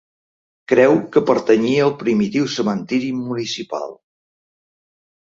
Creu que pertanyia al primitiu cementiri municipal.